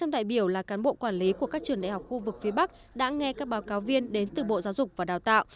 một trăm linh đại biểu là cán bộ quản lý của các trường đại học khu vực phía bắc đã nghe các báo cáo viên đến từ bộ giáo dục và đào tạo